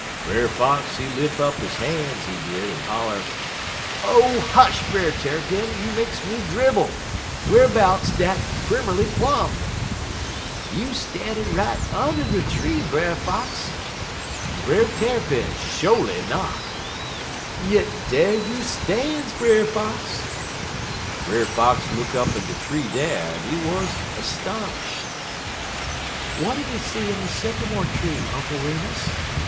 _' "Brer Fox, he lif' up he han's, he did, en holler: "'Oh, hush, Brer Tarrypin! you makes me dribble! Whar'bouts dat Pimmerly Plum?' "'You stannin' right und' de tree, Brer Fox!' "'Brer Tarrypin, sho'ly not!' "'Yit dar you stan's, Brer Fox!' "Brer Fox look up in de tree dar, en he wuz 'stonish'." "What did he see in the sycamore tree, Uncle Remus?"